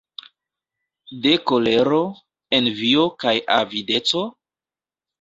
De kolero, envio kaj avideco?